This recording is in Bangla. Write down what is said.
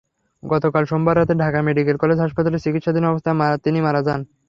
গতকাল সোমবার রাতে ঢাকা মেডিকেল কলেজ হাসপাতালে চিকিৎসাধীন অবস্থায় তিনি মারা যান।